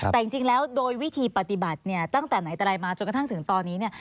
แต่จริงแล้วโดยวิธีปฏิบัติเนี่ยตั้งแต่ไหนแต่ไรมาจนกระทั่งถึงตอนนี้เนี่ย